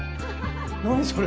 何それ？